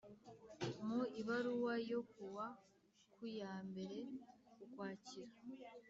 mu ibaruwa yo ku wa kuyambere ukwakira